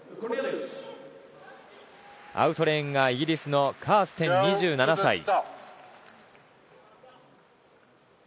アウトレーンがイギリスのカーステン、２７歳。